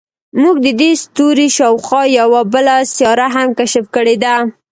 موږ د دې ستوري شاوخوا یوه بله سیاره هم کشف کړې ده.